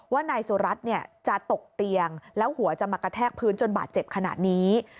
ว่านายสุรัตน์จะตกเตียงแล้วหัวจะมากระแทกพื้นจนบาดเจ็บขนาดนี้